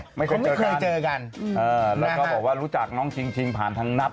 เขาไม่เคยเจอกันแล้วก็บอกว่ารู้จักน้องชิงผ่านทางนับ